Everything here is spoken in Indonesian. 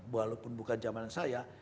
walaupun bukan zaman saya